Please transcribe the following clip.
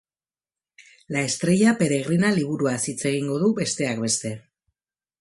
La estrella peregrina liburuaz hitz egingo du, besteak beste.